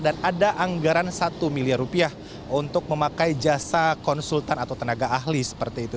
dan ada anggaran satu miliar rupiah untuk memakai jasa konsultan atau tenaga ahli seperti itu